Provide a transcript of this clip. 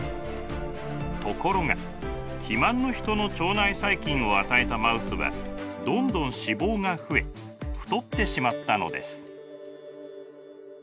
ところが肥満のヒトの腸内細菌を与えたマウスはどんどん脂肪が増え太ってしまったのです。